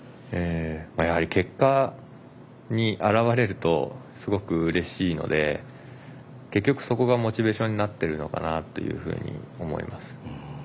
やはり結果に現れるとすごくうれしいので結局そこがモチベーションになっているのかなというふうに思います。